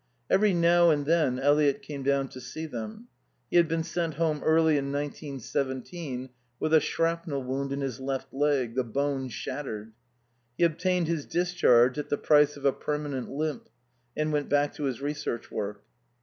Every now and then Eliot came down to see them. He had been sent home early in nineteen seventeen with a shrapnel wound in his left leg, the bone shattered. He obtained his discharge at the price of a permanent limp, and went back to his research work.